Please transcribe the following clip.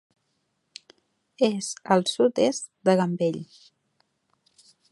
És al sud-est de Gambell.